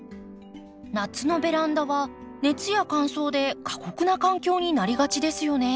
夏のベランダは熱や乾燥で過酷な環境になりがちですよね。